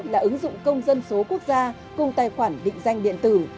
là ứng dụng công dân số quốc gia cùng tài khoản định danh điện tử